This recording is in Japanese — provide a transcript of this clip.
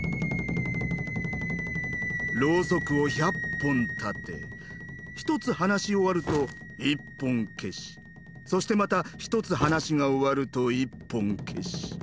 ろうそくを１００本立て１つ話し終わると１本消しそしてまた１つ話が終わると１本消し。